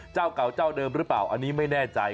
เจ้าเก่าเจ้าเดิมหรือเปล่าอันนี้ไม่แน่ใจ